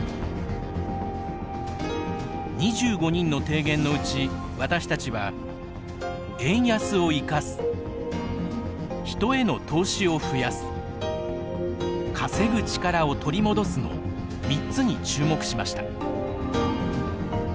２５人の提言のうち私たちは円安を生かす人への投資を増やす稼ぐ力を取り戻すの３つに注目しました。